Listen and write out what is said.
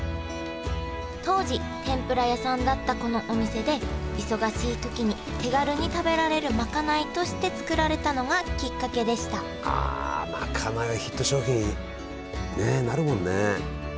当時天ぷら屋さんだったこのお店で忙しいときに手軽に食べられるまかないとして作られたのがきっかけでしたあまかないはヒット商品ねえなるもんね。